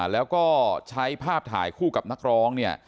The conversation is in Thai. แล้วก็ใช้ภาพถ่ายคู่กับนักร้องเนี่ย